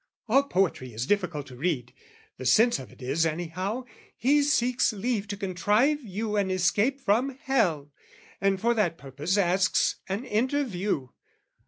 "All poetry is difficult to read, " The sense of it is, anyhow, he seeks "Leave to contrive you an escape from hell, "And for that purpose asks an interview.